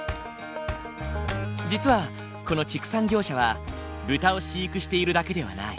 実はこの畜産業者は豚を飼育しているだけではない。